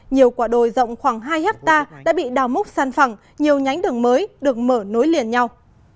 nhiều quả đồi rộng khoảng hai hectare đã bị đào múc săn phẳng nhiều nhánh đường mới được mở nối liền nhau